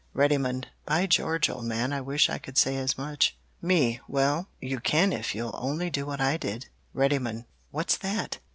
"Reddymun By George, old man, I wish I could say as much. "Me Well, you can if you'll only do what I did. "Reddymun What's that?